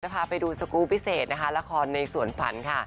จะพาไปดูสกุลพิเศษละครในสวรรค์ฝันค่ะ